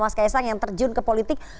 mas ks ang yang terjun ke politik